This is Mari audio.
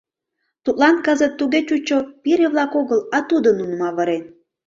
Тудлан кызыт туге чучо, пире-влак огыл, а тудо нуным авырен.